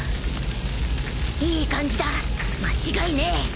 いい感じだ間違いねえ。